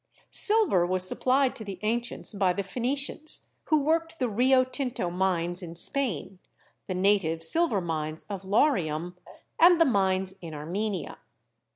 L Silver was supplied to the ancients by the Phenicians, i6 CHEMISTRY who worked the Rio Tinto mines in Spain, the native sil ver mines of Laurium, and the mines in Armenia.